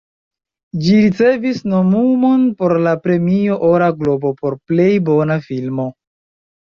Ĝi ricevis nomumon por la Premio Ora Globo por Plej bona Filmo.